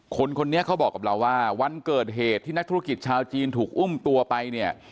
คนนี้เขาบอกกับเราว่าวันเกิดเหตุที่นักธุรกิจชาวจีนถูกอุ้มตัวไปเนี่ย